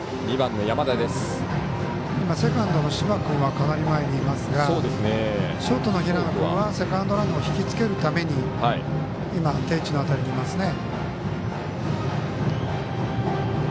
セカンドの柴君はかなり前にいますがショートの平野君はセカンドランナーひきつけるために今、定位置の辺りにいますね。